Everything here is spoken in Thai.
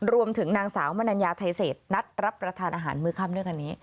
รวมถึงนางสาวมนัญญาไทยเศษนัดรับประทานอาหารมื้อค่ำด้วยกันนี้